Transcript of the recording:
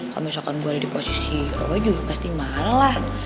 kalo misalkan gue ada di posisi orang baju pasti marah lah